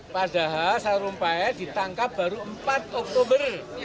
padahal sarumpayat ditangkap baru empat oktober